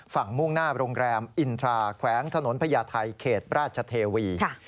มุ่งหน้าโรงแรมอินทราแขวงถนนพญาไทยเขตราชเทวี